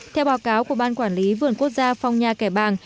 theo báo cáo của ban quản lý vườn quốc gia phong nha kẻ bàng